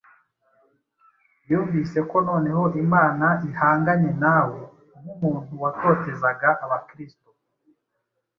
Yumvise ko noneho Imana ihanganye nawe, nk’umuntu watotezaga Abakristo.